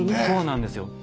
そうなんですよ。